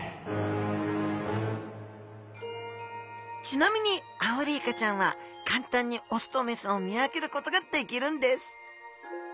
ちなみにアオリイカちゃんは簡単にオスとメスを見分けることができるんです。